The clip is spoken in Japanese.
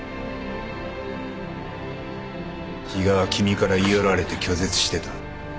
比嘉は君から言い寄られて拒絶してた。